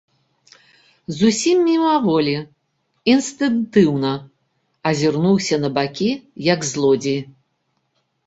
Зусім мімаволі, інстынктыўна азірнуўся на бакі, як злодзей.